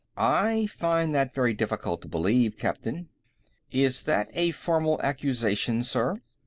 "I find that very difficult to believe, Captain." "Is that a formal accusation, sir?"